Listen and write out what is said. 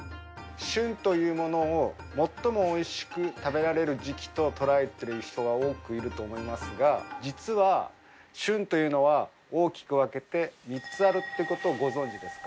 旬というものを最も美味しく食べられる時期と捉えてる人は多くいると思いますが実は旬というのは大きく分けて３つあるって事をご存じですか？